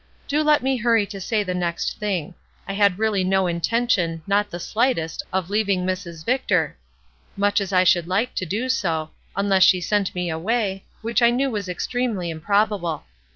Do let me hurry to say the next thing ; I had really no intention, not the slightest, of leaving Mrs. Victor — much as I should like to do so — unless she sent me away, which I knew was extremely improbable.